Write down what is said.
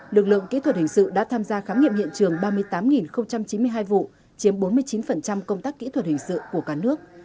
lực lượng kỹ thuật hình sự đã tham gia khám nghiệm hiện trường ba mươi tám chín mươi hai vụ chiếm bốn mươi chín công tác kỹ thuật hình sự của cả nước